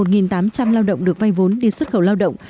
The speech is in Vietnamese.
một tám trăm linh lao động được vay vốn đi xuất khẩu lao động